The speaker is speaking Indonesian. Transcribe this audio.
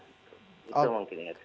itu mungkin ya